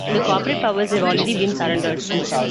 The corporate powers have already been surrendered.